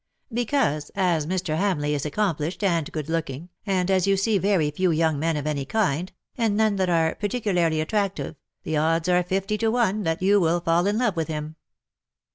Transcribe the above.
Because, as Mr. Hamleigh is accomplished and good looking, and as you see very few young men of any kind, and none that are particularly attrac tive, the odds are fifty to one that you will fall in love with him."